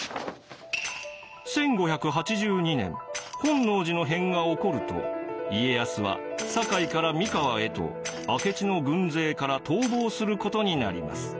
１５８２年本能寺の変が起こると家康は堺から三河へと明智の軍勢から逃亡することになります。